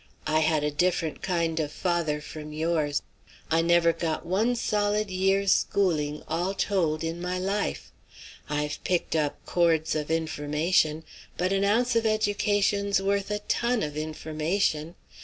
I had a different kind of father from yours; I never got one solid year's schooling, all told, in my life. I've picked up cords of information, but an ounce of education's worth a ton of information.